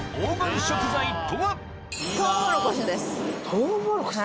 トウモロコシ？